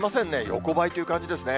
横ばいという感じですね。